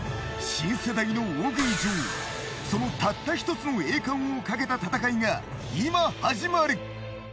新世代の大食い女王そのたった１つの栄冠をかけた戦いが今始まる。